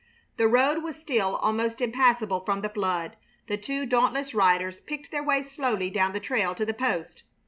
The road was still almost impassable from the flood; the two dauntless riders picked their way slowly down the trail to the post.